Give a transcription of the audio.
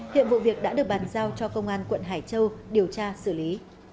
hiện vụ việc đã được bàn giao cho công an quận hải châu điều tra xử lý